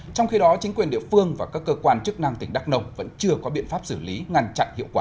trong khi đó chính quyền địa phương và các cơ quan chức năng tỉnh đắk nông vẫn chưa có biện pháp xử lý ngăn chặn hiệu quả